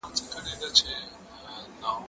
هغه وويل چي قلمان ضروري دي!.